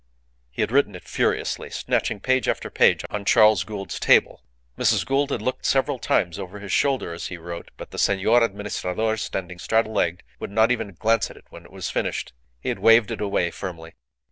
He had written it furiously, snatching page after page on Charles Gould's table. Mrs. Gould had looked several times over his shoulder as he wrote; but the Senor Administrador, standing straddle legged, would not even glance at it when it was finished. He had waved it away firmly.